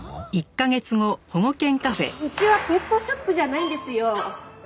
うちはペットショップじゃないんですよ。